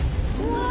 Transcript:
うわ！